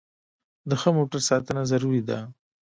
د ښه موټر ساتنه ضروري ده.